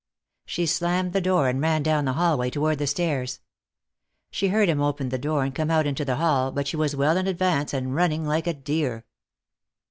She slammed the door and ran down the hallway toward the stairs. She heard him open the door and come out into the hall, but she was well in advance and running like a deer.